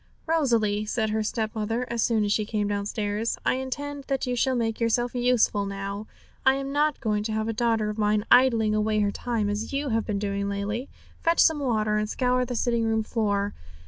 'Rosalie,' said her stepmother, as soon as she came downstairs, 'I intend that you shall make yourself useful now. I'm not going to have a daughter of mine idling away her time as you have been doing lately. Fetch some water and scour the sitting room floor.